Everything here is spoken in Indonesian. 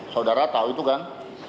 saudara tahu itu kan